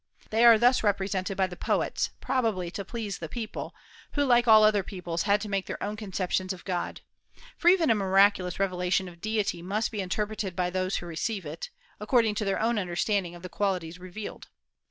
They are thus represented by the poets, probably to please the people, who like all other peoples had to make their own conceptions of God; for even a miraculous revelation of deity must be interpreted by those who receive it, according to their own understanding of the qualities revealed.